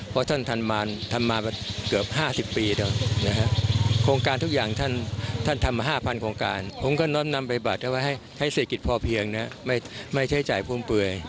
พวกคุณท่านทำมาเกือบ๕๐ปีเท่านะครับโครงการทุกอย่างท่านทำมา๕๐๐๐โครงการผมก็น้ำไปบัตรให้เศรษฐกิจพอเพียงนะไม่ใช้จ่ายภูมิเปลือย